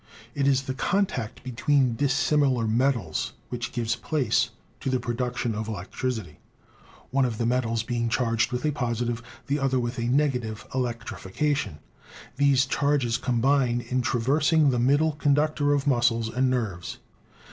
It is the contact between dissimilar metals which gives place to the production of electricity, one of the metals being charged with a positive, the other with a negative electrification; these charges combine in traversing the middle conductor of muscles and nerves.